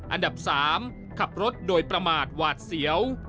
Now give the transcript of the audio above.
อันดับ๓ขับรถโดยประมาทหวาดเสียว